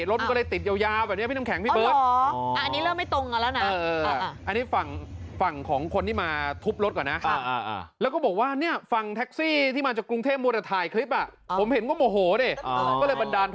รถมันก็เลยติดยาวแบบนี้พี่น้ำแข็งพี่เบิร์ต